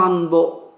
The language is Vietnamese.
của huyện trạng bom